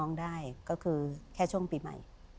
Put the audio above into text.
ไปดูร่างทรง